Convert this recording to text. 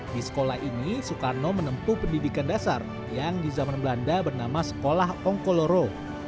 di sekolah ini soekarno menempuh pendidikan dasar yang di zaman belanda bernama sekolah ongkoloro